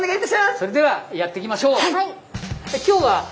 それではやっていきましょう！